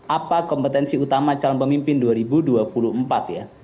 apa kompetensi utama calon pemimpin dua ribu dua puluh empat ya